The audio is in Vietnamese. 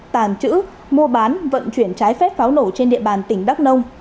tàng trữ mua bán vận chuyển trái phép pháo nổ trên địa bàn tỉnh đắk nông